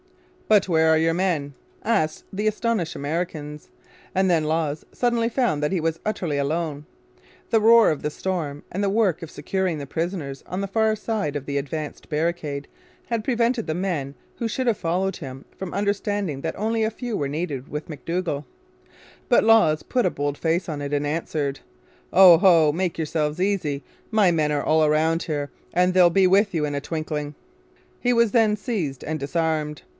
'But where are your men?' asked the astonished Americans; and then Lawes suddenly found that he was utterly alone! The roar of the storm and the work of securing the prisoners on the far side of the advanced barricade had prevented the men who should have followed him from understanding that only a few were needed with McDougall. But Lawes put a bold face on it and answered, 'O, Ho, make yourselves easy! My men are all round here and they'll be with you in a twinkling.' He was then seized and disarmed.